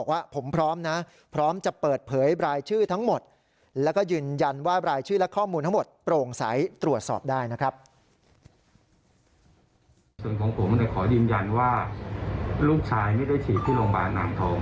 ว่าลูกชายไม่ได้ฉีดที่โรงพยาบาลอ่างทอง